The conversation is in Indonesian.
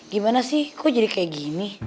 gimana sih kok jadi kayak gini